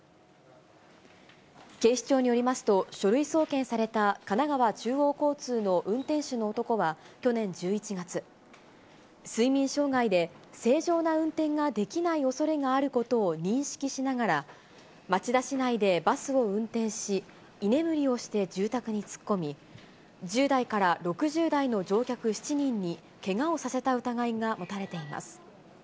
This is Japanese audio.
警視庁によりますと、書類送検された神奈川中央交通の運転手の男は去年１１月、睡眠障害で正常な運転ができないおそれがあることを認識しながら、町田市内でバスを運転し、居眠りをして住宅に突っ込み、１０代から６０代の乗客７人にけがをさせた疑いが持たれています。